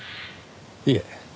いえ。